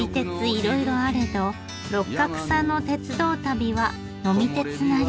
いろいろあれど六角さんの鉄道旅は呑み鉄なり。